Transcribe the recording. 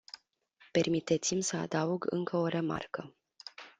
Permiteți-mi să adaug încă o remarcă.